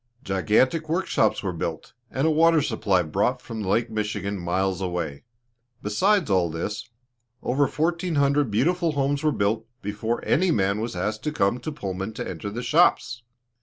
Gigantic work shops were built, and a water supply brought from Lake Michigan, miles away. Besides all this, over fourteen hundred beautiful homes were built before any man was asked to come to Pullman to enter the shops.